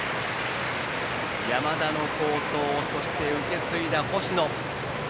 山田の好投そして受け継いだ星野。